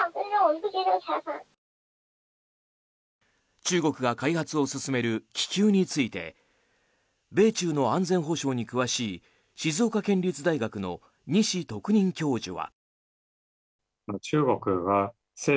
中国が開発を進める気球について米中の安全保障に詳しい静岡県立大学の西特任教授は。